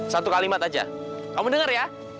satu kalimat aja kamu dengar ya